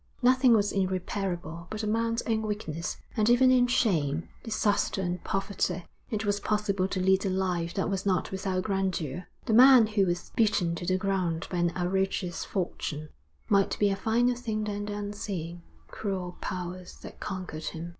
Nothing was irreparable but a man's own weakness, and even in shame, disaster, and poverty, it was possible to lead a life that was not without grandeur. The man who was beaten to the ground by an outrageous fortune might be a finer thing than the unseeing, cruel powers that conquered him.